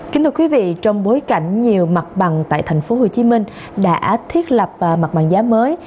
kính thưa quý vị trong bối cảnh nhiều mặt bằng tại thành phố hồ chí minh đã thiết lập mặt bằng giá mới